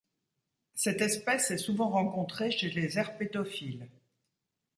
Cette espèce est souvent rencontrée chez les herpétophiles.